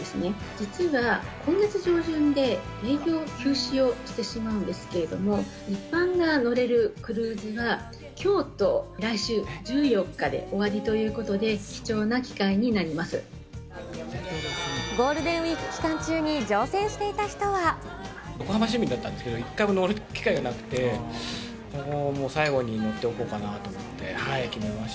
実は今月上旬で営業休止をしてしまうんですけれども、一般が乗れるクルーズはきょうと来週１４日で終わりということで、ゴールデンウィーク期間中に横浜市民だったんですけど、一回も乗る機会がなくて、最後に乗っておこうかなと思って決めま